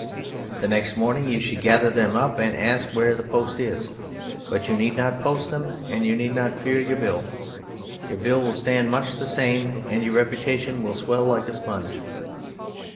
Then next morning you should gather them up and ask where the post is: but you need not post them, and you need not fear for your bill. Your bill will stand much the same, and your reputation will swell like a sponge.